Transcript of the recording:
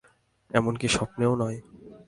এমনকি স্বপ্নেও নয়।